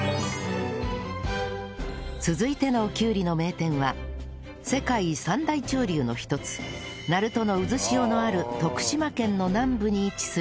続いてのきゅうりの名店は世界三大潮流の一つ鳴門の渦潮のある徳島県の南部に位置する海陽町から